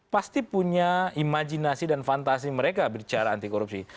pasti punya imajinasi dan fantasi mereka bicara anti korupsi